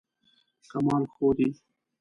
کمال ښودی.